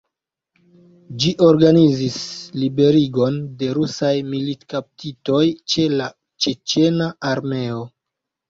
Ĝi organizis liberigon de rusaj militkaptitoj ĉe la ĉeĉena armeo.